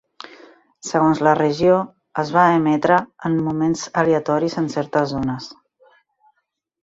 Segons la regió, es va emetre en moments aleatoris en certes zones.